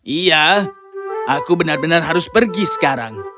iya aku benar benar harus pergi sekarang